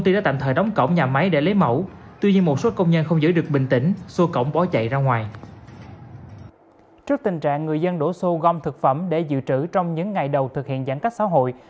trước tình trạng người dân đổ xô gom thực phẩm để dự trữ trong những ngày đầu thực hiện giãn cách xã hội